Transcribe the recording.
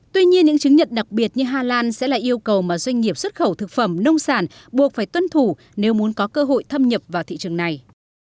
tuy nhiên những chứng nhận đặc biệt như hà lan sẽ là yêu cầu mà doanh nghiệp xuất khẩu thực phẩm nông sản buộc phải tuân thủ nếu muốn có cơ hội thâm nhập vào thị trường này